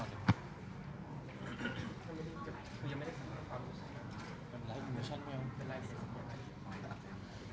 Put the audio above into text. ถ้าไม่น้ำไปไปไป